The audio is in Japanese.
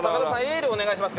エールお願いします。